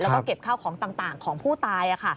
แล้วก็เก็บข้าวของต่างของผู้ตาย